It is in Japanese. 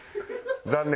残念。